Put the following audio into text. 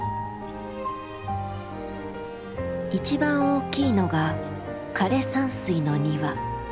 一番大きいのが枯山水の庭。